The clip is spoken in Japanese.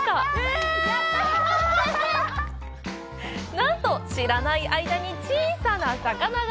なんと知らない間に、小さな魚が。